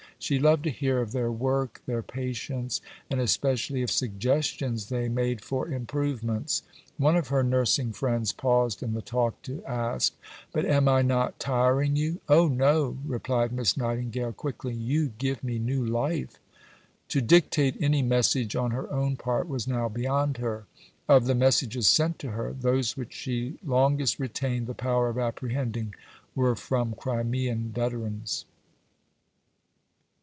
She loved to hear of their work, their patients, and especially of suggestions they made for improvements. One of her nursing friends paused in the talk to ask, "But am I not tiring you?" "Oh, no," replied Miss Nightingale quickly, "you give me new life." To dictate any message on her own part was now beyond her. Of the messages sent to her, those which she longest retained the power of apprehending were from Crimean veterans.